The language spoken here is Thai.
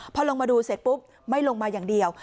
พอลงมาดูเสร็จปุ๊บไม่ลงมาอย่างเดียว